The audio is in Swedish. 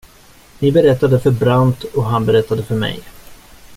Ni berättade för Brandt och han berättade för mig.